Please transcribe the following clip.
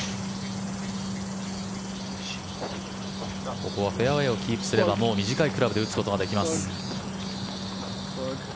ここはフェアウェーをキープすればもう短いクラブで打つことができます。